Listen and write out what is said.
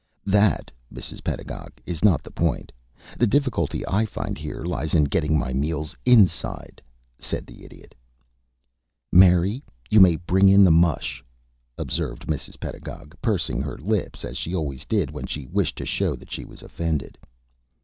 "That, Mrs. Pedagog, is not the point. The difficulty I find here lies in getting my meals inside," said the Idiot. "Mary, you may bring in the mush," observed Mrs. Pedagog, pursing her lips, as she always did when she wished to show that she was offended.